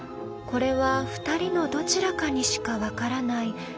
これは２人のどちらかにしか分からない